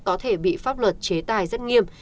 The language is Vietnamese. có thể bị pháp luật chế tài rất nghiêm